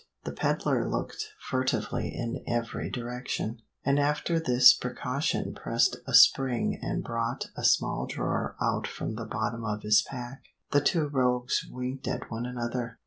The peddler looked furtively in every direction; and after this precaution pressed a spring and brought a small drawer out from the bottom of his pack. The two rogues winked at one another.